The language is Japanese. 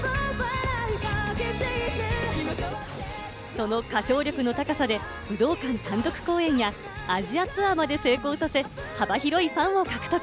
その歌唱力の高さで武道館単独公演や、アジアツアーまで成功させ、幅広いファンを獲得。